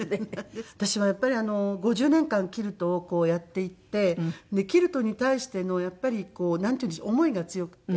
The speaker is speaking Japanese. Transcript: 私はやっぱり５０年間キルトをやっていてキルトに対してのやっぱりこうなんていうんでしょう思いが強くて。